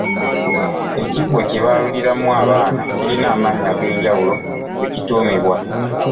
Ekibbo kye baaluliramu abaana kirina amannya ag'enjawulo ge kituumibwa.